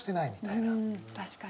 確かに。